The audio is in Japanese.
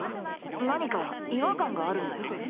何か違和感があるんだよ。